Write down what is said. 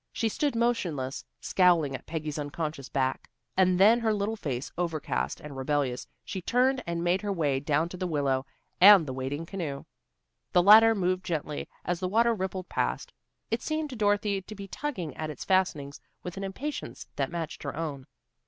She stood motionless, scowling at Peggy's unconscious back, and then her little face overcast and rebellious, she turned and made her way down to the willow and the waiting canoe. The latter moved gently as the water rippled past. It seemed to Dorothy to be tugging at its fastenings with an impatience that matched her own.